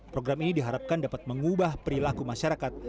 program ini diharapkan dapat mengubah perilaku masyarakat